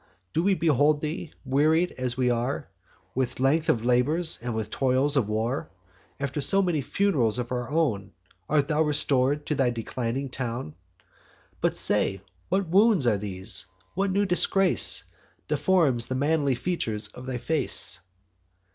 Do we behold thee, wearied as we are With length of labours, and with toils of war? After so many fun'rals of thy own Art thou restor'd to thy declining town? But say, what wounds are these? What new disgrace Deforms the manly features of thy face?